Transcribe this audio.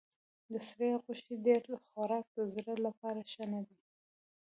د سرې غوښې ډېر خوراک د زړه لپاره ښه نه دی.